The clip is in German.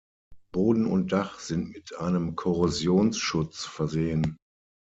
Boden und Dach sind mit einem Korrosionsschutz versehen.